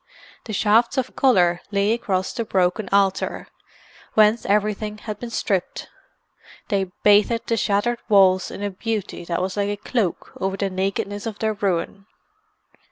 The shafts of colour lay across the broken altar, whence everything had been stripped; they bathed the shattered walls in a beauty that was like a cloak over the nakedness of their ruin.